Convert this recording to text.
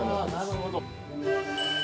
◆なるほど。